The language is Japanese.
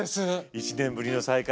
１年ぶりの再会